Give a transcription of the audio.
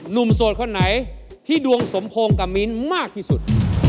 หนุ่มสวดคนไหนที่ดวงสมโพงกับมีนมากที่สุด